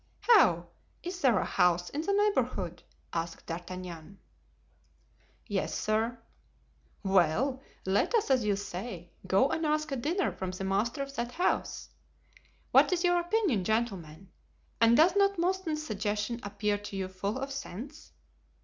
"How! is there a house in the neighborhood?" asked D'Artagnan. "Yes, sir," replied Mousqueton. "Well, let us, as you say, go and ask a dinner from the master of that house. What is your opinion, gentlemen, and does not M. Mouston's suggestion appear to you full of sense?"